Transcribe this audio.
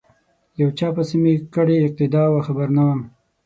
یو چا پسې می کړې اقتدا وه خبر نه وم